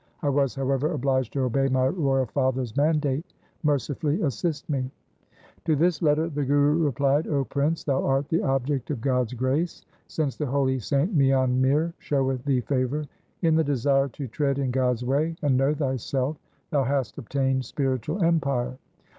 I was, however, obliged to obey my royal father's mandate. Mercifully assist me !' To this letter the Guru replied, ' 0 Prince, thou art the object of God's grace, since the holy saint Mian Mir showeth thee favour. In the desire to tread in God's way and know thyself thou hast obtained spiritual empire.